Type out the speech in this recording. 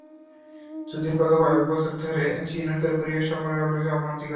যদিও, গত কয়েক বছর যাবত চীন-উত্তর কোরিয়া সম্পর্কের উল্লেখযোগ্য অবনতি ঘটেছে।